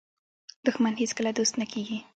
دښمن هیڅکله دوست نه کېږي